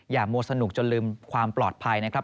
มัวสนุกจนลืมความปลอดภัยนะครับ